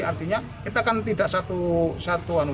artinya kita akan tidak satu satu